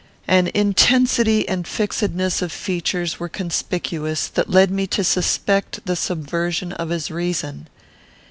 An intensity and fixedness of features were conspicuous, that led me to suspect the subversion of his reason.